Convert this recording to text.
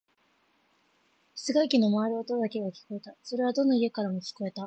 室外機の回る音だけが聞こえた。それはどの家からも聞こえた。